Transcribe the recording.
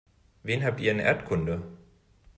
Wen habt ihr in Erdkunde?